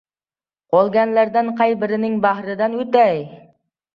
Qolganlardan qay birining bahridan o‘tay?